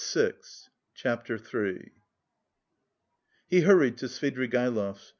CHAPTER III He hurried to Svidrigaïlov's.